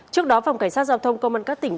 trước đó phòng cảnh sát giao thông công an các tỉnh